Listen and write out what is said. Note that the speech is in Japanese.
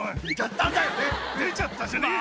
出ちゃったじゃねえよ。